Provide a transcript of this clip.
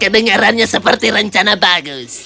kedengarannya seperti rencana bagus